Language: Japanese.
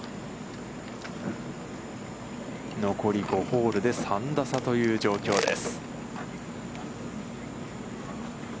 残り５ホールで３打差という状況です。